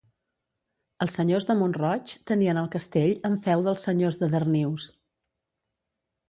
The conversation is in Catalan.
Els senyors de Mont-roig tenien el castell en feu dels senyors de Darnius.